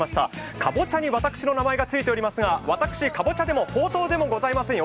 かぼちゃに私の名前がついておりますが、私、かぼちゃでもほうとうでもございませんよ。